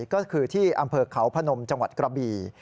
ก็คือที่อำเภอเขาพนมจังหวัดกระบี่